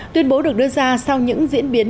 tuyên bố được đưa ra sau những diễn biến